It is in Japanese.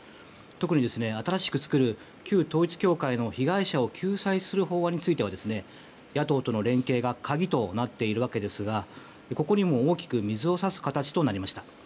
特に新しく作る旧統一教会の被害者を救済する法案については野党との連携が鍵となっているわけですがここにも大きく水を差す形となりました。